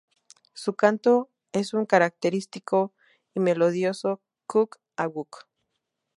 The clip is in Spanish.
Su canto es un característico y melodioso "cuuk-a-wuuk".